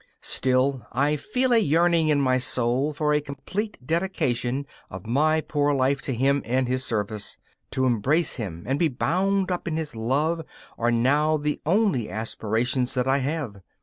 Still, I feel a yearning in my soul for a complete dedication of my poor life to Him and His service. To embrace Him and be bound up in His love are now the only aspirations that I have.